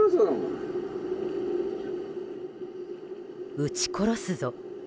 うち殺すぞ。